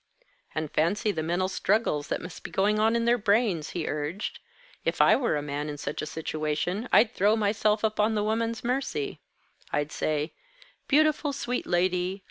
"And fancy the mental struggles that must be going on in their brains," he urged. "If I were a man in such a situation I'd throw myself upon the woman's mercy. I'd say, 'Beautiful, sweet lady!